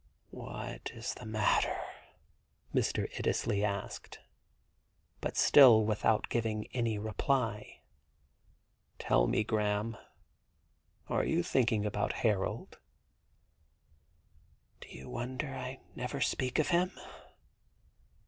'What is the matter?' Mr. Iddesleigh asked, but 94 THE GARDEN GOD still without getting any reply. *Tell me, Graham, are you thinking about Harold ?'* Do you wonder I never speak of him